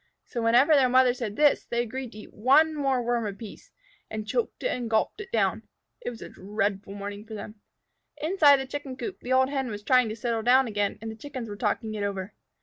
So whenever their mother said this they agreed to eat one more Worm apiece, and choked and gulped it down. It was a dreadful morning for them. Inside the Chicken coop the old Hen was trying to settle down again, and the Chickens were talking it over.